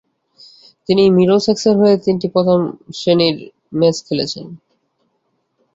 তিনি মিডলসেক্সের হয়ে তিনটি প্রথম শ্রেণির ম্যাচ খেলেছিলেন।